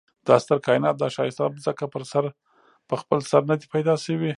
دا ستر کاينات دا ښايسته ځمکه په خپل سر ندي پيدا شوي